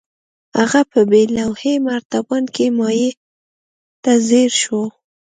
هغه په بې لوحې مرتبان کې مايع ته ځير شو.